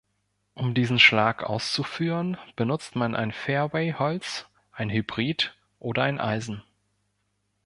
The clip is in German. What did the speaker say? Um diesen Schlag auszuführen benutzt man ein Fairway-Holz, ein Hybrid oder ein Eisen.